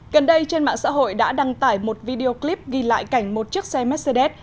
gần đây trên mạng xã hội đã đăng tải một video clip ghi lại cảnh một chiếc xe mercedes